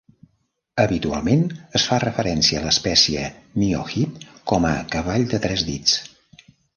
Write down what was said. Habitualment, es fa referència a l'especie "miohip" com a cavall de tres dits.